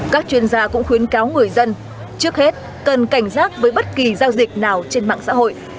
các chuyên gia cũng khuyến cáo người dân trước hết cần cảnh giác với bất kỳ giao dịch nào trên mạng xã hội